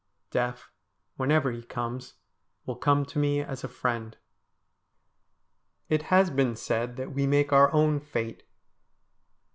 Death, whenever he comes, will come to me as a friend. It has been said that we make our own fate.